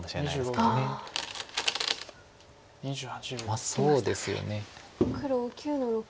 まあそうですよね。